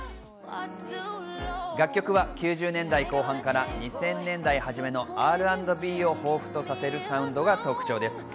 楽曲は９０年代後半から２０００年代初めのＲ＆Ｂを彷彿とさせるサウンドが特徴です。